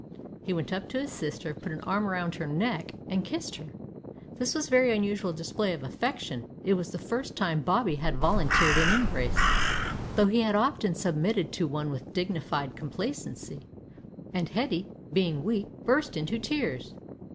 He went up to his sister, put an arm round her neck, and kissed her. This was a very unusual display of affection. It was the first time Bobby had volunteered an embrace, though he had often submitted to one with dignified complacency, and Hetty, being weak, burst into tears.